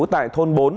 tại thôn bốn